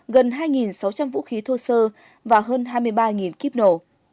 gần hai sáu trăm linh vũ khí thô sơ và hơn hai mươi ba kíp nổ